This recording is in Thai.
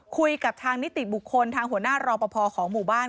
คุยกับทางนิติบุคคลทางหัวหน้ารอปภของหมู่บ้าน